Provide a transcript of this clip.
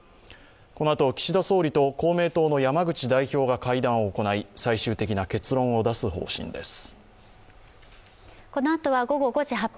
このあと岸田総理と公明党の山口代表が会談を行い最終的な結論を出す方針です。